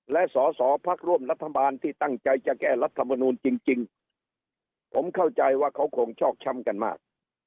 และสอสอพักร่วมรัฐบาลที่ตั้งใจจะแก้รัฐมนูลจริงผมเข้าใจว่าเขาคงชอกช้ำกันมาก